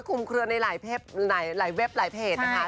เครือในหลายเว็บหลายเพจนะคะ